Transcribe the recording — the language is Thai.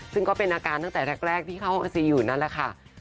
ซึ่งก็เป็นอาการตั้งแต่แรกที่เข้าห้องไอซีอยู่นั่นแหละค่ะ